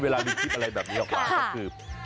เวลามีคลิปอะไรแบบนี้ออกมาก็คือ